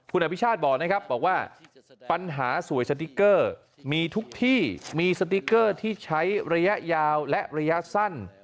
คุณอภิชาติบอกนะครับบอกว่าปัญหาสวยสติ๊กเกอร์มีทุกที่มีสติ๊กเกอร์ที่ใช้ระยะยาวและระยะสั้น